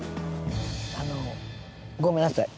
あのごめんなさい。